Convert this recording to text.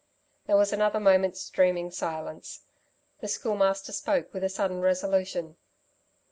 There was another moment's dreaming silence. The Schoolmaster spoke with a sudden resolution.